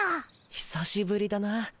久しぶりだな。